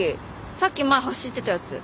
さっき前走ってたやつ。